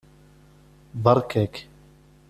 Beṛka-k.